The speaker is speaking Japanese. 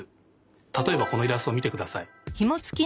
たとえばこのイラストをみてください。